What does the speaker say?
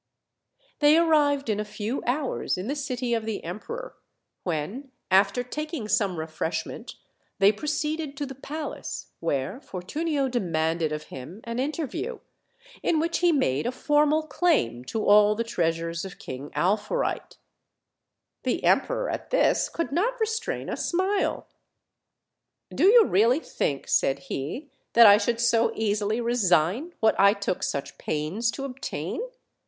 They arrived in a few hours in the city of the emperor, OLD, OLD FAIRY TALES. 91 when, after taking some refreshment, they proceeded to the palace, where Fortunio demanded of him an inter view, in whch he made a formal claim to all the treasures of King Alfourite. The emperor at this could not re strain a smile. "Do you really think," said he, "that I should so easily resign what I took such pains to obtain?